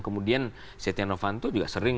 kemudian setia novanto juga sering